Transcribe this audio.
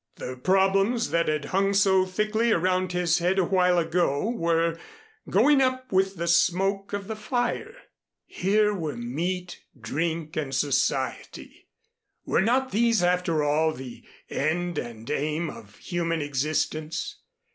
The problems that had hung so thickly around his head a while ago, were going up with the smoke of the fire. Here were meat, drink and society. Were not these, after all, the end and aim of human existence?